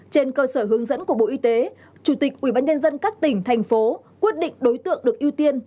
trên cơ sở hướng dẫn của bộ y tế chủ tịch ubnd các tỉnh thành phố quyết định đối tượng được ưu tiên